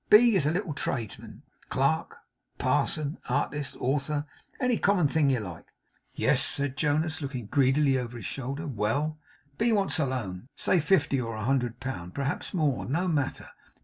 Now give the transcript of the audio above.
'B is a little tradesman, clerk, parson, artist, author, any common thing you like.' 'Yes,' said Jonas, looking greedily over his shoulder. 'Well!' 'B wants a loan. Say fifty or a hundred pound; perhaps more; no matter.